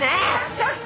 ちょっと！